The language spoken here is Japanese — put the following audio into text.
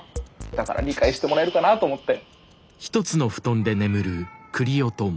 だから理解してもらえるかなと思って。